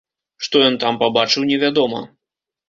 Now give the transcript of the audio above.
Што ён там пабачыў, невядома.